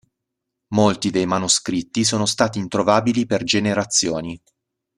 Molti dei manoscritti sono stati introvabili per generazioni.